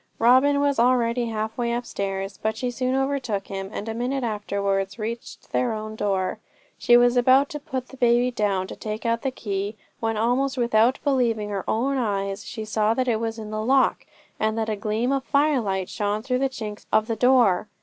Robin was already halfway upstairs, but she soon overtook him, and a minute afterwards reached their own door. She was about to put the baby down to take out the key, when, almost without believing her own eyes, she saw that it was in the lock, and that a gleam of firelight shone through the chinks of the door.